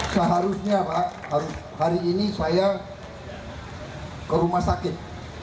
seharusnya pak hari ini saya ke rumah sakit